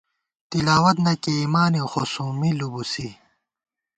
تِلاوَت تہ کېئیمانېؤ ، خو سومّی لُوبُوسی